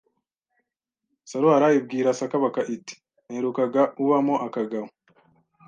Saruhara ibwira Sakabaka iti naherukaga ubamo akagabo